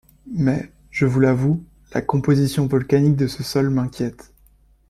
Mais, je vous l’avoue, la composition volcanique de ce sol m’inquiète.